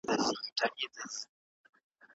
روانه ټولنپوهنه د حرکت په حال کې ده.